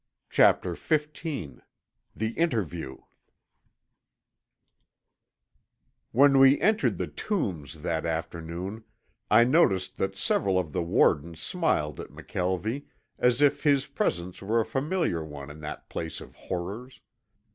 CHAPTER XV THE INTERVIEW When we entered the Tombs that afternoon I noticed that several of the wardens smiled at McKelvie, as if his presence were a familiar one in that place of horrors.